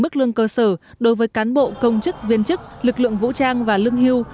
mức lương cơ sở đối với cán bộ công chức viên chức lực lượng vũ trang và lương hưu